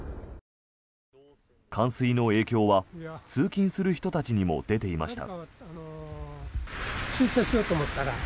冠水の影響は通勤する人たちにも出ていました。